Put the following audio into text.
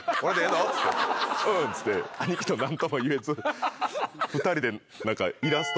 「うん」っつって兄貴と何とも言えず２人で。